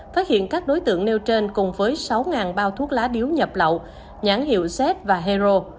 phát hiện các đối tượng nêu trên cùng với sáu bao thuốc lá điếu nhập lậu nhãn hiệu z và hero